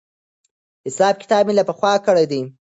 حساب کتاب مې له پخوا کړی دی.